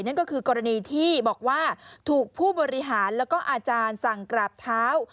นั่นก็คือกรณีที่บอกว่าถูกผู้บริหารแล้วก็อาจารย์สั่งกราบเท้า